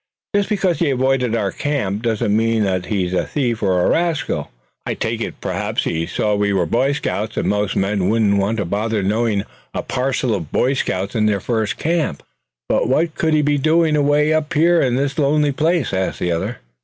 "Just because he avoided our camp doesn't mean that he's a thief, or a rascal, I take it. Perhaps he saw we were Boy Scouts; and most men wouldn't want to bother knowing a parcel of boys in their first camp." "But what could he be doing, away up here in this lonely place?" asked the other.